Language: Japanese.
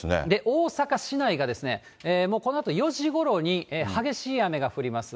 大阪市内がもうこのあと４時ごろに、激しい雨が降ります。